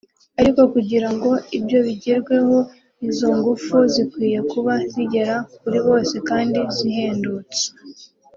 "Ariko kugira ngo ibyo bigerweho izo ngufu zikwiye kuba zigera kuri bose kandi zihendutse